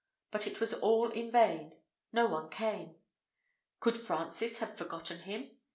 But it was all in vain; no one came. Could Francis have forgotten him?